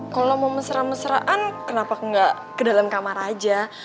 kalo lo mau mesra mesraan kenapa gak ke dalam kamar aja